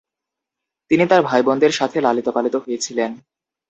তিনি তার ভাই-বোনদের সাথে লালিত-পালিত হয়েছিলেন।